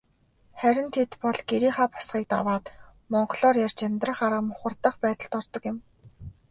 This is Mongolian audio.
Харин тэд бол гэрийнхээ босгыг даваад монголоор ярьж амьдрах арга мухардах байдалд ордог юм.